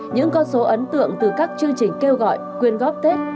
những con số ấn tượng từ các chương trình kêu gọi quyên góp tết